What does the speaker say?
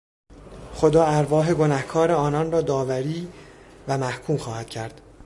خدا ارواح گنهکار آنان را داوری و محکوم خواهد کرد.